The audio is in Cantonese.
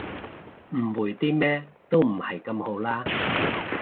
誤會啲咩都唔係咁好啦